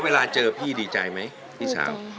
เวลาเจอพี่ดีใจไหมพี่สาว